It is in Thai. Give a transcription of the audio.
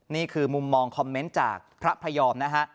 นี่คือมุมมองคอมเมนต์จากพระพยอมนะฮะ